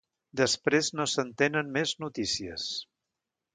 Després no se'n tenen més notícies.